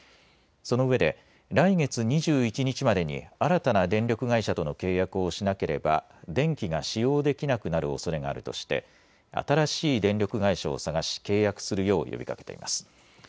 そのうえで来月２１日までに新たな電力会社との契約をしなければ電気が使用できなくなるおそれがあるとして新しい電力会社を探し契約するよう呼びかけています。